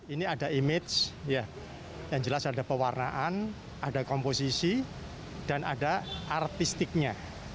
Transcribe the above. ini ada image yang jelas ada pewarnaan ada komposisi dan ada artistiknya